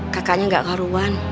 kakaknya gak keharuan